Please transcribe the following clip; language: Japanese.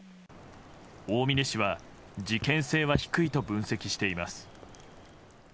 大峯氏は事件性は低いと分析しています。